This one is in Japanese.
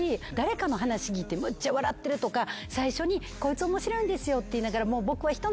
誰かの話聞いてむっちゃ笑ってるとか最初に「こいつ面白いんですよ」って言いながら。